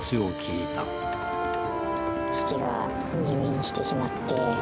父が入院してしまって。